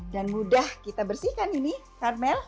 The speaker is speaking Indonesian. dan mudah kita bersihkan ini carmel